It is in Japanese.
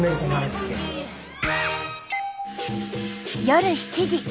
夜７時。